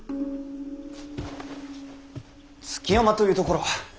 築山という所は瀬名が。